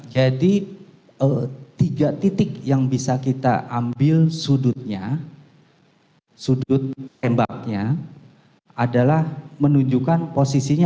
jadi tiga titik yang bisa kita ambil sudutnya sudut tembaknya adalah menunjukkan posisinya